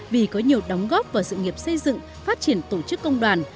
vì có nhiều đóng góp vào sự nghiệp xây dựng phát triển tổ chức công đoàn